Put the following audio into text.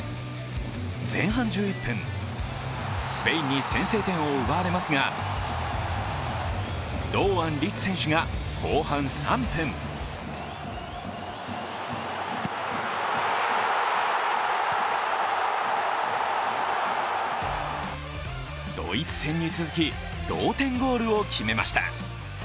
前半１１分、スペインに先制点を奪われますが堂安律選手が後半３分ドイツ戦に続き、同点ゴールを決めました。